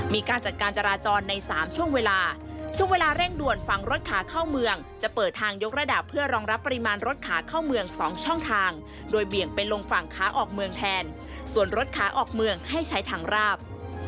มีการจัดการจราจรใน๓ช่วงเวลาช่วงเวลาเร่งด่วนฝั่งรถขาเข้าเมืองจะเปิดทางยกระดับเพื่อรองรับปริมาณรถขาเข้าเมือง๒ช่องทางโดยเบี่ยงไปลงฝั่งขาออกเมืองแทนส่วนรถขาออกเมืองให้ใช้ทางราบ